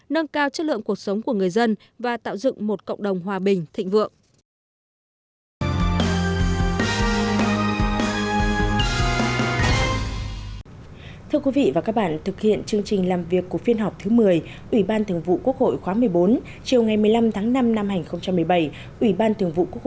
nâng cao chất lượng cuộc sống của người dân và tạo dựng một cộng đồng hòa bình thịnh vượng